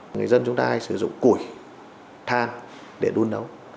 người dân chúng ta hay sử dụng củi than để đun nấu